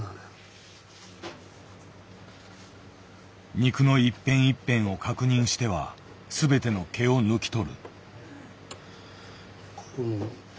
肉の一片一片を確認しては全ての毛を抜き取る。